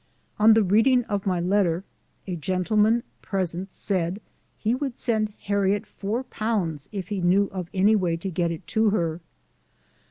On the reading of my letter, a gentleman present said he would send Harriet four pounds if he knew of any way to get it to her.